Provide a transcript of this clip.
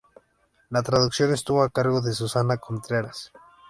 La traducción estuvo a cargo de Susana Contreras.